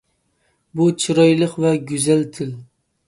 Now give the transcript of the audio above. بۇ چىرايلىق ۋە گۈزەل تىل!